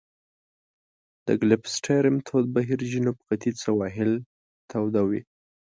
د ګلف ستریم تود بهیر جنوب ختیځ سواحل توده وي.